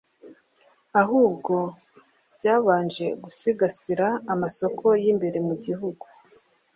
ahubwo byabanje gusigasira amasoko y’imbere mu gihugu